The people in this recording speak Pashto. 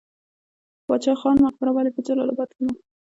باچا خان مقبره ولې په جلال اباد کې ده؟